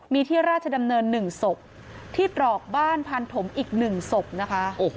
มีที่ราชดำเนิน๑ศพที่ตรอกบ้านพันธมอีก๑ศพนะคะ